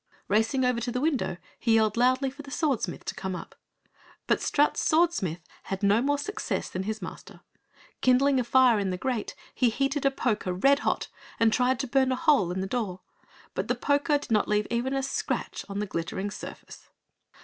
Racing over to the window he yelled loudly for the Swordsmith to come up. But Strut's Swordsmith had no more success than his Master. Kindling a fire in the grate, he heated a poker red hot and tried to burn a hole in the door, but the poker did not leave even a scratch on the glittering surface.